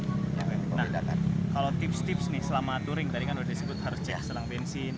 nah kalau tips tips nih selama touring tadi kan udah disebut harus cek selang bensin